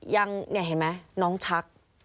ยังเนี่ยเห็นไหมน้องชัก